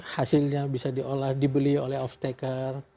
hasilnya bisa dibeli oleh off stacker